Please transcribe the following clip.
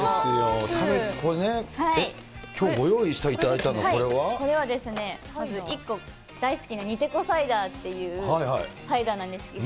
きょうご用意していただいたこれは、まず１個、大好きなニテコサイダーっていうサイダーなんですけど。